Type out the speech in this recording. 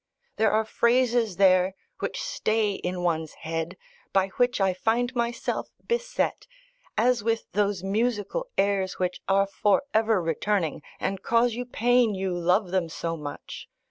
There are phrases there which stay in one's head, by which I find myself beset, as with those musical airs which are for ever returning, and cause you pain, you love them so much.